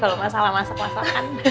kalau masalah masak masakan